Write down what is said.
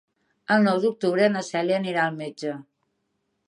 El nou d'octubre na Cèlia anirà al metge.